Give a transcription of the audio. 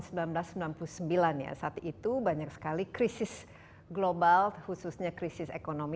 saat itu banyak sekali krisis global khususnya krisis ekonomi